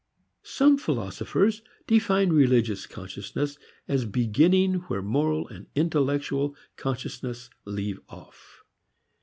Some philosophers define religious consciousness as beginning where moral and intellectual consciousness leave off.